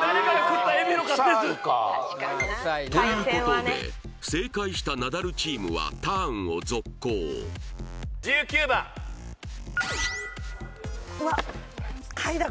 誰かが食ったエビのカスですということで正解したナダルチームはターンを続行１９番うわっ嗅いだ